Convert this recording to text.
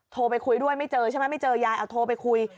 โทรไปคุยด้วยไม่เจอใช่ไหมไม่เจอยายเอาโทรไปคุย